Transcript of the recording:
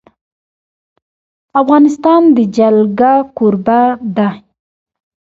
افغانستان د جلګه کوربه دی.